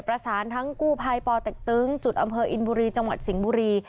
ประสานทั้งกู้ภัยปเต็กตึงจุดอำเภออินบุรีจังหวัดสิงห์บุรี